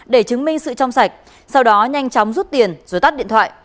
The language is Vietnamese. để chứng minh sự trong sạch sau đó nhanh chóng rút tiền rồi tắt điện thoại